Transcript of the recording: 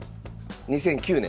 ２００９年。